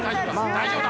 大丈夫だ！